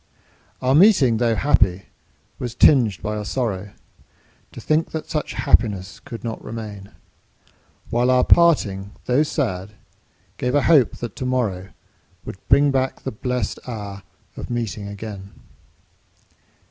Our meeting, tho' happy, was tinged by a sorrow To think that such happiness could not remain; While our parting, tho' sad, gave a hope that to morrow Would bring back the blest hour of meeting again.